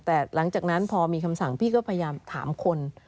แต่หลังจากนั้นพอมีคำสั่งพี่ก็พยายามถามคน